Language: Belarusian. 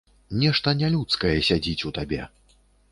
Нешта нялюдскае сядзіць у табе.